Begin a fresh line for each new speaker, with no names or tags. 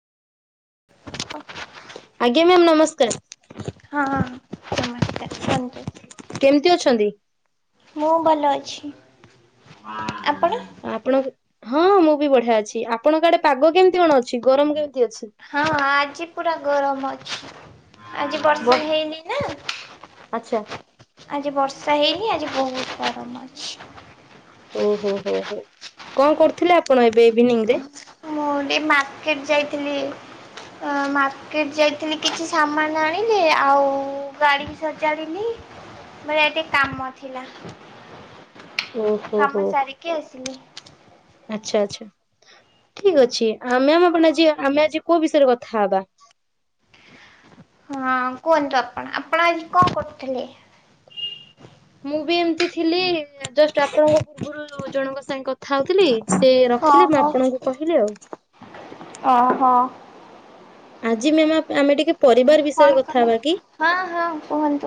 ଅ
ଆଜ୍ଞା ମ୍ୟାମ୍ ନମସ୍କାର
ହଁ ସମସ୍ତେ କୁହନ୍ତୁ।
କେମିତି ଅଛନ୍ତି?
ମୁଁ ଭଲ ଅଛି ଆ
ଆପଣକୁ ହଁ ହଁ ମୁଁ ବି ବଢିଆ ଅଛି ଆପଣଙ୍କ ଆଡେ ପାଗ କେମିତି କଣ ଅଛି ଗରମ କେ
ହଁ ଆଜି ପୁରା ଗରମ ଅ [inaudible] ଆଜି
ବ
ବର୍ଷା ହେଇନି ନା
ଆଚ୍ଛା
ଆଜି ବର୍ଷା ହେଇନି ଆଜି ବହୁତ ଗରମ ଅଛି।
ଓହୋ ହୋ ହୋ କଣ କରୁଥିଲେ ଆପଣ ଏ ବେ ଇଭିନିଂ ରେ
ମୁଁ ଟିକେ ମାର୍କେଟ ଯାଇଥିଲି ଅ ମାର୍କେଟ ଯାଇଥିଲି କିଛି ସାମାନ ଆଣିଲି ଆଉ ଗାଡି ସଜାଡ଼ିଲି ମୋର ଏଟି କାମ ଥିଲା।
ଓ ହୋ
କାମ
ହୋ
ସାରିକି ଆସିଲି।
ଆଛା ଆଛା ଠିକ ଅଛି ଆମେ ଆମ ଉପରେ ନଯିବା ଆମେ ଆଜି କୋଉ ବିଷୟରେ କଥା ହବା।
ହଁ କୁହନ୍ତୁ ଆପଣ ଆପଣ ଆଜି କଣ କରୁଥିଲେ।
ମୁଁ ବି ଏମିତି ଥିଲି ଜଷ୍ଟ ଆପଣଙ୍କ ପୂର୍ବରୁ ଜଣଙ୍କ ସାଙ୍ଗ କ ଥାଉଥିଲି ସେ
ହଁ
ରଖିଲେ ମୁଁ
ହଁ
ଆପଣଙ୍କୁ କହିଲି ଆଉ।
ଓହୋ
ଆଜି ମେମ୍ ଆଉ କାମ ଟିକେ ପରିବାର ବିଷୟରେ
କଣ
କଥା
କଲେ
ହବା କି?
ହଁ ହଁ କୁହନ୍ତୁ।